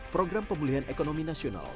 program pemulihan ekonomi nasional